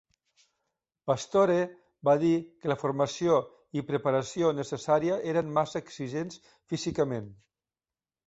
Pastore va dir que la formació i preparació necessària eren massa exigents físicament.